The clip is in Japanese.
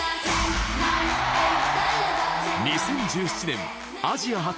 ２０１７年アジア発